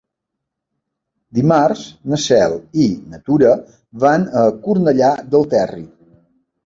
Dimarts na Cel i na Tura van a Cornellà del Terri.